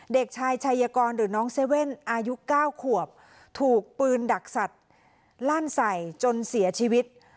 เด็กชายชัยกรหรือน้องเซเว่นอายุ๙ขวบถูกปืนดักสัตว์ลั่นใส่จนเสียชีวิต